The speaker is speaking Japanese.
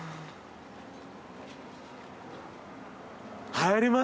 入れます。